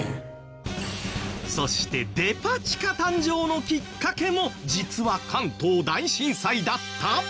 そしてデパ地下誕生のきっかけも実は関東大震災だった？